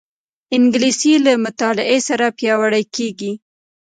انګلیسي له مطالعې سره پیاوړې کېږي